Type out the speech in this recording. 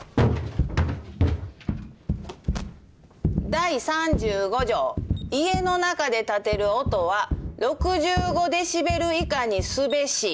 ・「第３５条家の中で立てる音は６５デシベル以下にすべし」